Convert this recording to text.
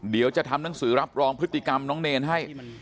เดี๋ยวจะทำหนังสือรับรองพฤติกรรมน้องเนรให้